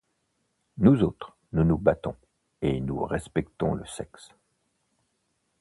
Nous autres, nous nous battons, et nous respectons le sexe.